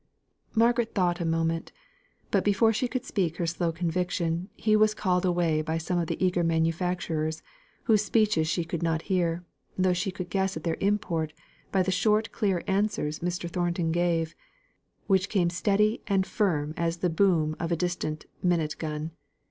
Margaret thought a moment but before she could speak her slow conviction, he was called away by some of the eager manufacturers, whose speeches she could not hear, though she could guess at their import by the short clear answers Mr. Thornton gave, which came steady and firm as the boom of a distant minute gun.